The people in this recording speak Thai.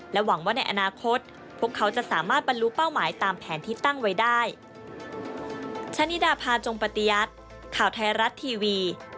หวังว่าในอนาคตพวกเขาจะสามารถบรรลุเป้าหมายตามแผนที่ตั้งไว้ได้